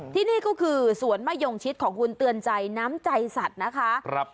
ที่นี่ก็คือสวนมะยงชิดของคุณเตือนใจน้ำใจสัตว์นะคะ